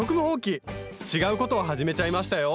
違うことを始めちゃいましたよ。